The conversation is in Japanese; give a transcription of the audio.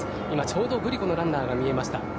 今、ちょうどグリコのランナーが見えました。